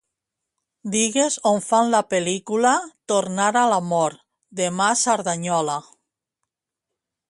Digues on fan la pel·lícula "Tornar a l'amor" demà a Cerdanyola.